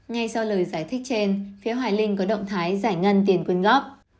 ngay sau lời giải thích trên phía hoài linh có động thái giải ngân tiền quyên góp